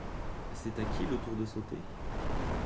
C’est à qui le tour de sauter ?